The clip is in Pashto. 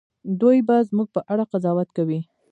دوی به زموږ په اړه قضاوت کوي.